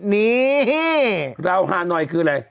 นี่ลาวฮาฮานอยคือไร